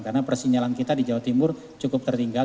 karena persinyalan kita di jawa timur cukup tertinggal